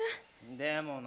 でもな。